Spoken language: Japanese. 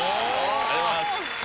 ありがとうございます。